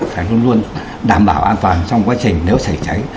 phải luôn luôn đảm bảo an toàn trong quá trình nếu xảy cháy